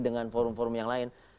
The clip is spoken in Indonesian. dengan forum forum yang lain